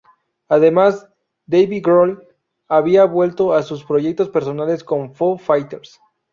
Además, Dave Grohl había vuelto a sus proyectos personales con Foo Fighters.